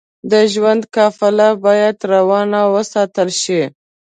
د ژوند قافله بايد روانه وساتل شئ.